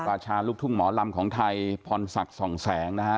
ราชาลูกทุ่งหมอลำของไทยพรศักดิ์ส่องแสงนะฮะ